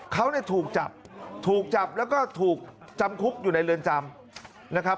เขาเนี่ยถูกจับถูกจับแล้วก็ถูกจำคุกอยู่ในเรือนจำนะครับ